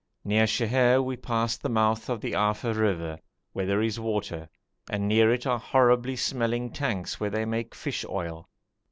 Near Sheher we passed the mouth of the Arfa river, where there is water, and near it are horribly smelling tanks where they make fish oil.